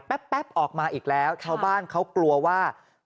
แป๊บออกมาอีกแล้วชาวบ้านเขากลัวว่า